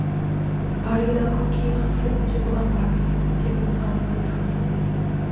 پہاڑی علاقوں کی یہ خصلت مجھے بہت بھاتی ہے یہ بل کھانے والی خصلت